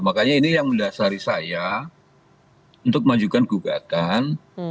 makanya ini yang mendasari saya untuk majukan gugatan